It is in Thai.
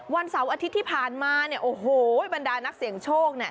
วันเสาร์อาทิตย์ที่ผ่านมาบรรดานักเสียงโชค